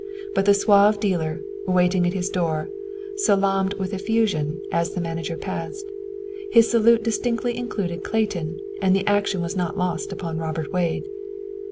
But the suave dealer, waiting at his door, salaamed with effusion as the manager passed. His salute distantly included Clayton, and the action was not lost upon Robert Wade.